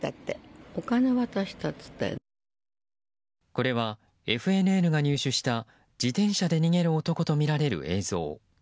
これはＦＮＮが入手した自転車で逃げる男とみられる映像。